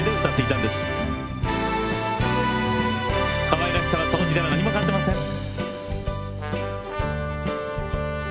かわいらしさは当時から何も変わってません。